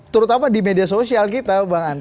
terutama di media sosial kita bang